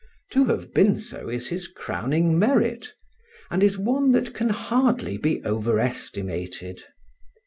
To have been so is his crowning merit, and is one that can hardly be overestimated.